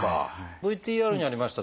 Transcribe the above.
ＶＴＲにありました